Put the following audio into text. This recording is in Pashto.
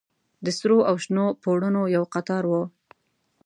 د سرو او شنو پوړونو يو قطار و.